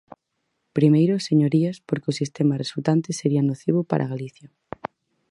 Primeiro, señorías, porque o sistema resultante sería nocivo para Galicia.